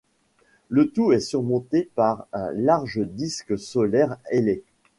Le tout est surmonté par un large disque solaire ailé.